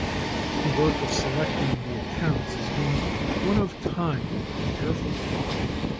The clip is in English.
The work of selecting the accounts has been one of time and careful thought.